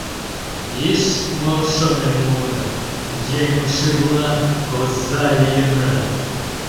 — Иш, мом шонен муыныт — еҥын шӱрлан оза лийыныт.